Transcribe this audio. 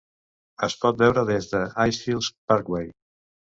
Es pot veure des de "Icefields Parkway".